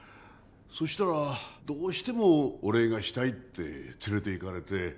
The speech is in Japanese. そしたらどうしてもお礼がしたいって連れていかれて。